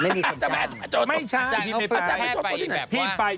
ไม่ใช่พี่ไม่ไป